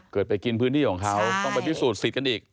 ไปกินพื้นที่ของเขาต้องไปพิสูจนสิทธิ์กันอีก